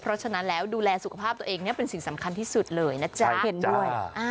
เพราะฉะนั้นแล้วดูแลสุขภาพตัวเองเนี่ยเป็นสิ่งสำคัญที่สุดเลยนะจ๊ะเห็นด้วย